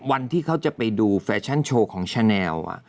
วันที่เขาจะไปดูแฟชั่นโชว์ของชาแนล